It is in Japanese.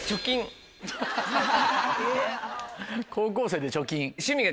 高校生で貯金。